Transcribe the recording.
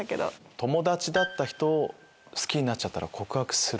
友達だった人を好きになっちゃったら告白する？